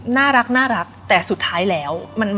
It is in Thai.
น่ารักแต่สุดท้ายแล้ว